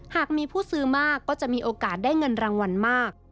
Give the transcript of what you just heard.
หากมีผู้ซื้อมากก็จะมีโอกาสได้เงินรางวัลมาก